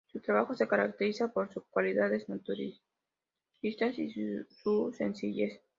Su trabajo se caracterizaba por sus cualidades naturalistas y su sencillez.